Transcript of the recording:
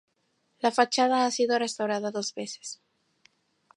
La fachada ha sido restaurada dos veces.